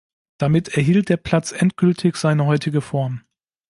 Damit erhielt der Platz endgültig seine heutige Form.